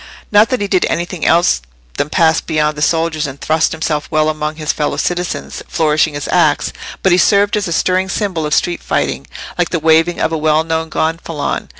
Not that he did anything else than pass beyond the soldiers and thrust himself well among his fellow citizens, flourishing his axe; but he served as a stirring symbol of street fighting, like the waving of a well known gonfalon.